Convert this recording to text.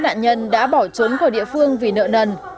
các nạn nhân đã bỏ trốn của địa phương vì nợ nần